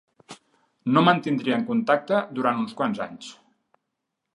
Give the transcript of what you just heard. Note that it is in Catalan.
No mantindrien contacte durant uns quants anys.